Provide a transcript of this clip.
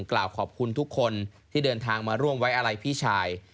กล่าวขอบคุณทุกคนที่เดินทางมาร่วมไว้อะไรพี่ชาย